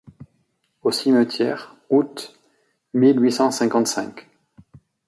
Au cimetière, août mille huit cent cinquante-cinq.